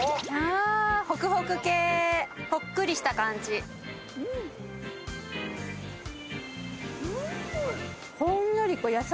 あホクホク系ホックリした感じうん！